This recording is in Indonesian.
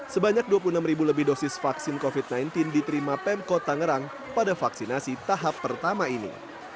sebanyak dua puluh enam ribu lebih dosis vaksin covid sembilan belas diterima pemkot tangerang pada vaksinasi tahap pertama ini